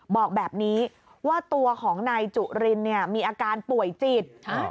บอกแบบนี้ว่าตัวของนายจุรินมีอาการป่วยจิต